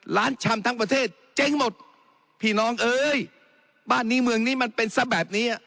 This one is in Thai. ชำทั้งประเทศเจ๊งหมดพี่น้องเอ้ยบ้านนี้เมืองนี้มันเป็นซะแบบนี้